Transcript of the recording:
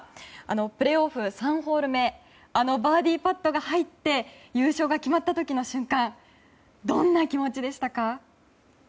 プレーオフ、３ホール目あのバーディーパットが入って優勝が決まった時の瞬間どんな気持ちでしたか？